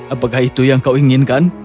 apakah itu yang kau inginkan